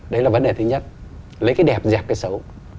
đấy là vấn đề thứ nhất lấy cái đẹp dẹp cái xấu